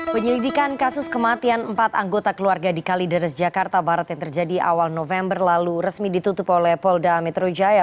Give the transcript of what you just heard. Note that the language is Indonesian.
penyelidikan kasus kematian empat anggota keluarga di kalideres jakarta barat yang terjadi awal november lalu resmi ditutup oleh polda metro jaya